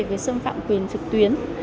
về xâm phạm quyền trực tuyến